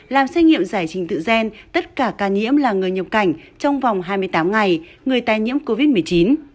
làm xét nghiệm giải trình tự gen tất cả ca nhiễm là người nhập cảnh trong vòng hai mươi tám ngày người tài nhiễm covid một mươi chín